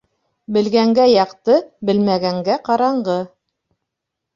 Белгәнгә яҡты, белмәгәнгә ҡараңғы.